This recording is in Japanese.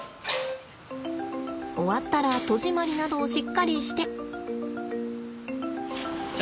終わったら戸締まりなどをしっかりして。